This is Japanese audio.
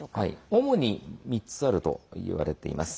主に３つあるといわれています。